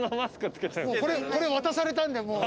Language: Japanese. これ渡されたんでもう。